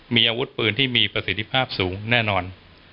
มีอาวุธปืนที่มีประสิทธิภาพสูงแน่นอน